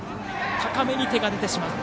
高めに手が出てしまった。